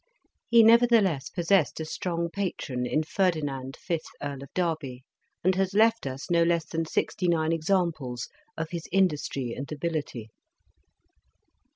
He never theless possessed a strong patron in Ferdinand, fifth Earl of Derby, and has left us no less than sixty nine examples of his industry and ability.